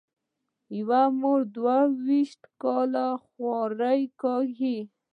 یوه مور دوه وېشت کاله خواري کاږي.